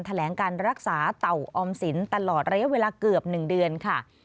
แถลงการรักษาเต่าออมสินตลอดระยะเวลาเกือบ๑เดือนค่ะ